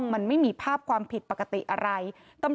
แล้วมันก็แบบว่าถอดจางเกง